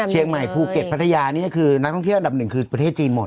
เชียงใหม่ภูเก็ตพัทยานี่ก็คือนักท่องเที่ยวอันดับหนึ่งคือประเทศจีนหมด